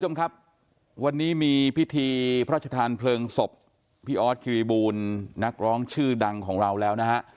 คุณผู้ชมครับวันนี้มีพิธีพระชธานเพลิงศพพี่ออสคิริบูลนักร้องชื่อดังของเราแล้วนะฮะ